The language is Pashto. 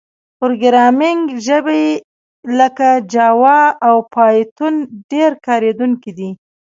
پروګرامینګ ژبې لکه جاوا او پایتون ډېر کارېدونکي دي.